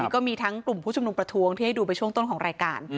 ก็มีทั้งกลุ่มผู้ชุมนุมประท้วงที่ให้ดูไปช่วงต้นของรายการ